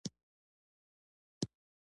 هغه د بوټ جوړوونکي پيسې بېرته ورکړې.